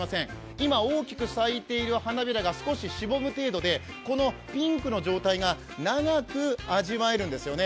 今、大きく咲いている花びらが少ししぼむ程度でこのピンクの状態が長く味わえるんですよね。